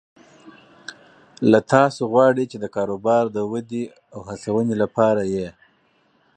له تاسو غواړي چې د کاروبار د ودې او هڅونې لپاره یې